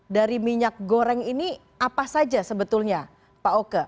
dari minyak goreng ini apa saja sebetulnya pak oke